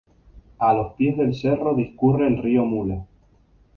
A los pies del cerro discurre el río Mula.